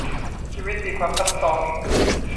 ชีวิตมีความซับซ้อน